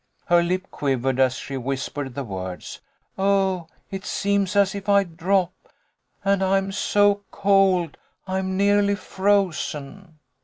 Her lip quivered as she whispered the words. " Oh, it seems as if I'd drop ! And I'm so cold I am nearly frozen."